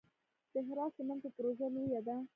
د هرات سمنټو پروژه لویه ده